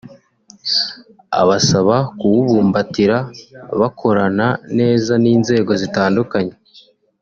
abasaba kuwubumbatira bakorana neza n’inzego zitandukanye